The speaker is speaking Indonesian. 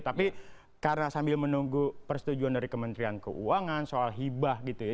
tapi karena sambil menunggu persetujuan dari kementerian keuangan soal hibah gitu ya